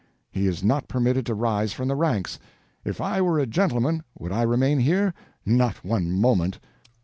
He is not permitted to rise from the ranks. If I were a gentleman would I remain here? Not one moment.